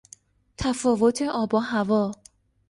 تفاوت آب و هوا